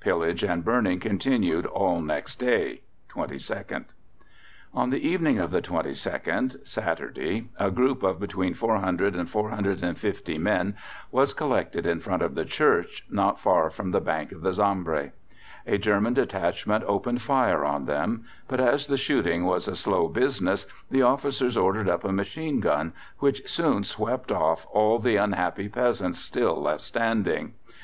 Pillage and burning continued all next day (22nd). On the evening of the 22nd (Saturday) a group of between 400 and 450 men was collected in front of the Church, not far from the bank of the Sambre. A German detachment opened fire on them, but as the shooting was a slow business the officers ordered up a machine gun, which soon swept off all the unhappy peasants still left standing.